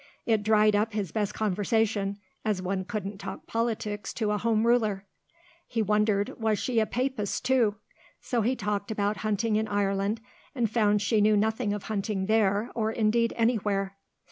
It dried up his best conversation, as one couldn't talk politics to a Home Ruler. He wondered was she a Papist, too. So he talked about hunting in Ireland, and found she knew nothing of hunting there or indeed anywhere.